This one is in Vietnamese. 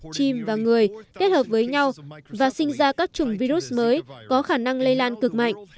chim và người kết hợp với nhau và sinh ra các chủng virus mới có khả năng lây lan cực mạnh